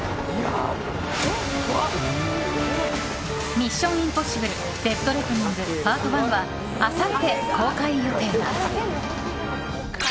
「ミッション：インポッシブル／デッドレコニングＰＡＲＴＯＮＥ」はあさって公開予定だ。